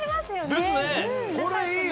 これいいよ！